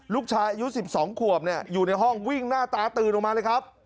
ลูกชายอายุ๑๒ขวบอยู่ในห้องวิ่งหน้าตาตื่นออกมาเลยครับ